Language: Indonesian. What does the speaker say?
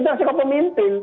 itu harus jadi pemimpin